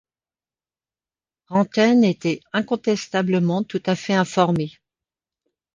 Rantaine était incontestablement tout à fait informé.